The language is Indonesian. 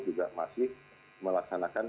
juga masih melaksanakan